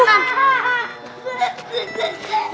itu mana mak